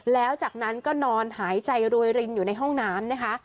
แล้วจากนั้นก็นอนหายใจรวยรินอยู่ในห้องน้ำนะคะ